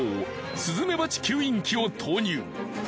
スズメバチ吸引機を投入。